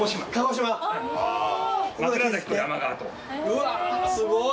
うわすごい。